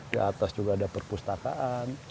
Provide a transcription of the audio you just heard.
ke atas juga ada perpustakaan